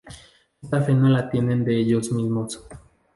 Esta fe no la tienen de ellos mismos.